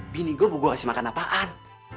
bini gue mau gue kasih makan apaan